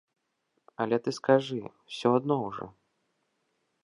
Але ты скажы, усё адно ўжо.